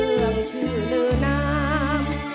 เรื่องชื่อเรือนาม